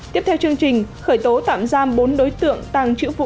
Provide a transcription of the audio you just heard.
tiếp theo chương trình khởi tố tạm giam bốn đối tượng tàng chữ vũ